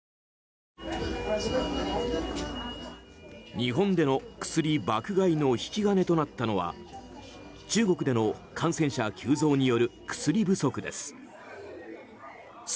日本での薬爆買いの引き金となったのは中国での感染者急増による薬不足です。